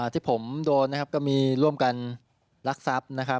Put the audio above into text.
ที่ผมโดนนะครับก็มีร่วมกันลักทรัพย์นะครับ